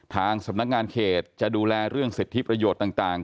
ทางสำนักงานเขตจะดูแลเรื่องสิทธิประโยชน์ต่าง